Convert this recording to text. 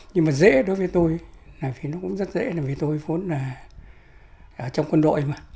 nhưng mà dễ đối với tôi là vì nó cũng rất dễ là vì tôi vốn là trong quân đội mà